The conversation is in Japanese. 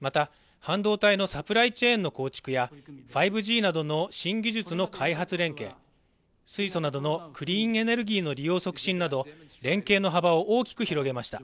また、半導体のサプライチェーンの機構や５Ｇなどの新技術の開発連携、水素などのクリーンエネルギーの利用促進など連携の幅を大きく広げました。